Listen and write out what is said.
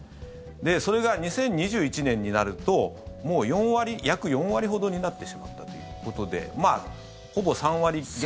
それが２０２１年になると約４割ほどになってしまったということでほぼ３割減。